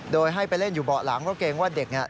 โดยให้ไปเล่นอยู่เบาะหลังเพราะเกรงว่าเด็กเนี่ย